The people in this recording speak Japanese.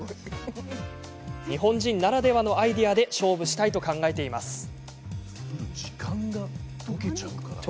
日本人ならではのアイデアで勝負したいと考えています。